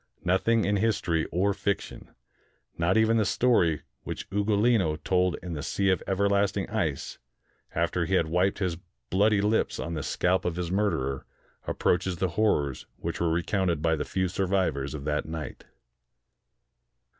Nothing in history or fiction, not even the story which Ugolino told in the sea of everlasting ice, after he had wiped his bloody lips on the scalp of his murderer, ap 159 INDIA preaches the horrors which were recounted by the few survivors of that night.